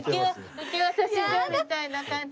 受け渡し所みたいな感じ？